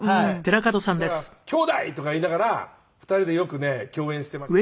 だから「兄弟！」とか言いながら２人でよくね共演していました。